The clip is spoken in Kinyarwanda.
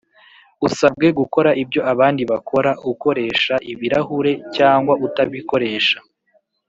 usabwe gukora ibyo abandi bakora ukoresha ibirahure cyangwa utabikoresha